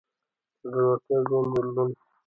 زړورتيا ژوند بدلوي.